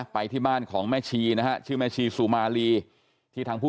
ไปที่บ้านของแม่ชีนะชื่อแม่ชีสุมารี